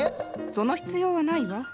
その必要はないわ。